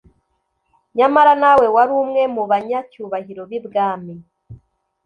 Nyamara nawe yari umwe mu banyacyubahiro b’I Bwami